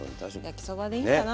焼きそばでいいんかな。